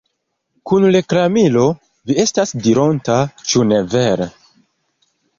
Kun reklamilo, vi estas dironta, ĉu ne vere!